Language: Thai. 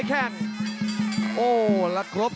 เสริมหักทิ้งลงไปครับรอบเย็นมากครับ